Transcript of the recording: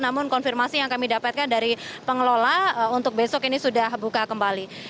namun konfirmasi yang kami dapatkan dari pengelola untuk besok ini sudah buka kembali